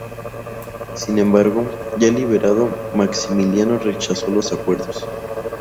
Sin embargo, ya liberado, Maximiliano rechazó los acuerdos.